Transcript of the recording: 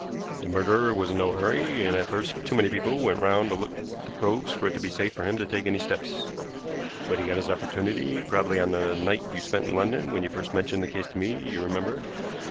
The murderer was in no hurry, and at first too many people went round to look at the coves for it to be safe for him to take any steps. But he got his opportunity probably on the night you spent in London when you first mentioned the case to me, you remember.